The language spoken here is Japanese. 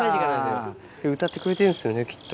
歌ってくれてんですよねきっと。